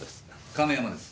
亀山です。